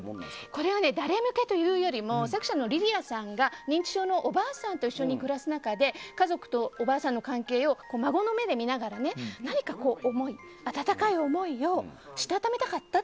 これは、誰向けというよりも作者のリリアさんが認知症のおばあさんと一緒に暮らす中で家族とおばあさんの関係を孫の目で見ながら何か、温かい思いをしたためたかった。